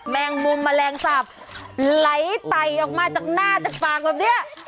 แมงมุมแมลงสาบไหลไต่ออกมาจากหน้าจากปากแบบนี้